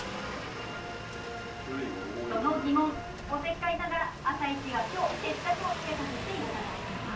その疑問、おせっかいながら「あさイチ」が今日決着をつけさせていただきます。